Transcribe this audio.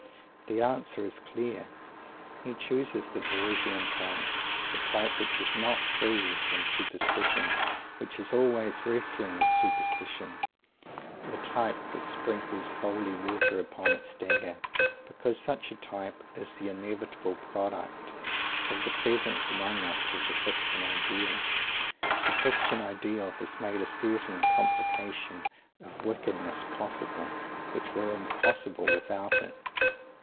The answer is clear. He chooses the Borgian type the type which is not free from "superstition," which is always wrestling with "superstition" the type that sprinkles holy water upon its dagger because such a type is the inevitable product of the presence among us of the Christian Ideal. The Christian Ideal has made a certain complication of "wickedness" possible, which were impossible without it.